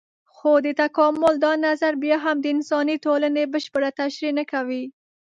خو د تکامل دا نظر بيا هم د انساني ټولنې بشپړه تشرېح نه کوي.